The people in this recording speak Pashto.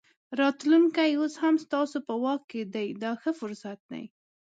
راتلونکی اوس هم ستاسو په واک دی دا ښه فرصت دی.